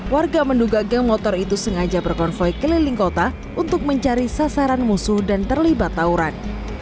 warga menduga geng motor itu sengaja berkonvoy keliling kota untuk mencari sasaran musuh dan terlibat tawuran